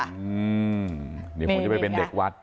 เดี๋ยวผมจะไปเป็นเด็กวัด